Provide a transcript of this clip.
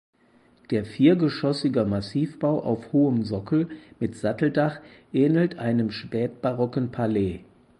Der viergeschossiger Massivbau auf hohem Sockel mit Satteldach ähnelt einem spätbarocken Palais.